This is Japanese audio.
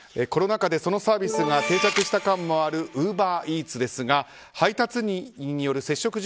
コロナ禍でそのサービスが定着した感もあるウーバーイーツですが配達員による接触